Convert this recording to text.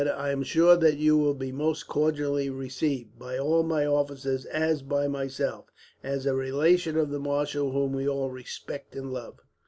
"I am sure that you will be most cordially received, by all my officers as by myself, as a relation of the marshal, whom we all respect and love."